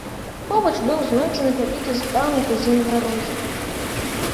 Побач быў знойдзены пабіты збан і казіныя рогі.